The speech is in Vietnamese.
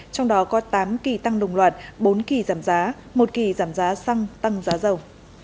trong đó có tám kỳ tăng đồng loạt bốn kỳ giảm giá một kỳ giảm giá xăng tăng giá dầu